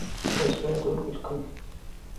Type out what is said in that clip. تاسو باید اور بل کړئ.